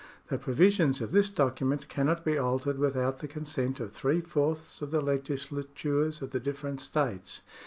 The provisions of this document cannot be altered with out the consent of three fourths of the legislatm es of the different states.